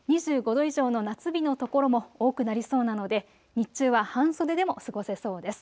２５度以上の夏日の所も多くなりそうなので日中は半袖でも過ごせそうです。